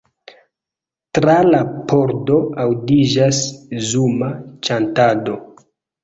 Tra la pordo aŭdiĝas zuma ĉantado.